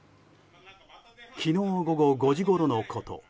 昨日午後５時ごろのこと。